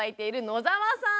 野澤さん